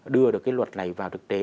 đưa được cái luật này vào thực tế